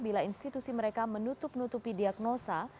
bila institusi mereka menutup nutupi diagnosa